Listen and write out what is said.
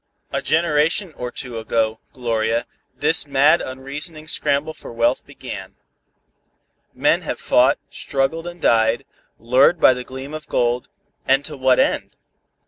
A generation or two ago, Gloria, this mad unreasoning scramble for wealth began. Men have fought, struggled and died, lured by the gleam of gold, and to what end?